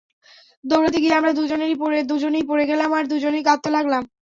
দৌড়াতে গিয়ে আমরা দুজনেই পড়ে গেলাম আর দুজনেই কাঁদতে লাগলাম।